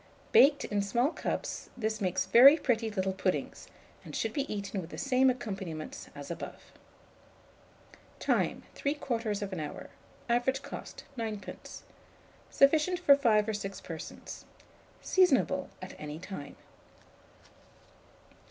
Baked in small cups, this makes very pretty little puddings, and should be eaten with the same accompaniments as above. Time. 3/4 hour. Average cost, 9d. Sufficient for 5 or 6 persons. Seasonable at any time.